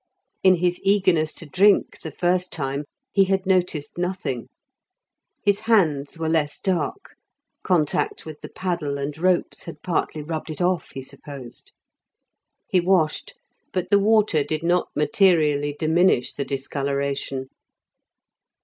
In his eagerness to drink, the first time, he had noticed nothing. His hands were less dark; contact with the paddle and ropes had partly rubbed it off, he supposed. He washed, but the water did not materially diminish the discoloration.